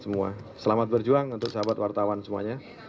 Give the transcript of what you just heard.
selamat berjuang untuk sahabat wartawan semuanya